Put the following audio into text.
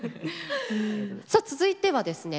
さあ続いてはですね